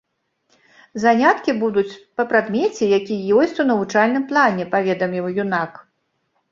Заняткі будуць па прадмеце, які ёсць у навучальным плане, паведаміў юнак.